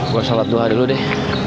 gue sholat dua hari dulu deh